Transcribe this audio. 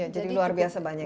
jadi luar biasa banyak